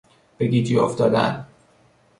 به گیجی افتادن